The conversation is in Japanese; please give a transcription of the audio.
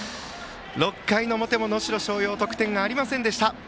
６回の表も能代松陽得点がありませんでした。